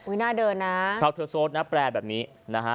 น่าเดินนะคราวเธอโซดนะแปลแบบนี้นะฮะ